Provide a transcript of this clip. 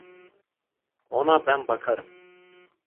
Ona ben bakarım.